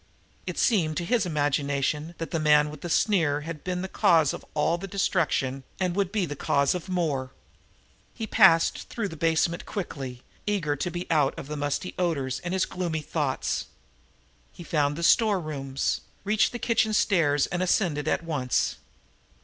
It seemed to his excited imagination that the man with the sneer had been the cause of all the destruction and would be the cause of more. He passed back through the basement quickly, eager to be out of the musty odors and his gloomy thoughts. He found the storerooms, reached the kitchen stairs and ascended at once.